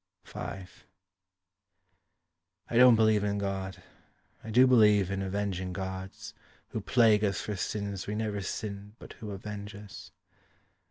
V I don't believe in God. I do believe in avenging gods Who plague us for sins we never sinned But who avenge us.